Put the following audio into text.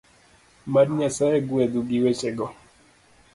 Mad Nyasaye gwedhu gi wechego